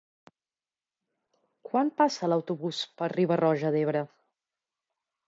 Quan passa l'autobús per Riba-roja d'Ebre?